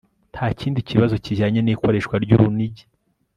nta kindi kibazo kijyanye n'ikoreshwa ry'urunigi